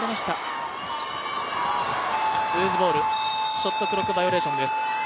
ショットクロックバイオレーションです。